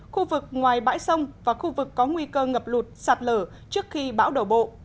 khu vực ngoài bãi sông và khu vực có nguy cơ ngập lụt sạt lở trước khi bão đổ bộ